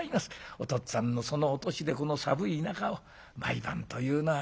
お父っつぁんのそのお年でこの寒い中を毎晩というのはきつうございましょう。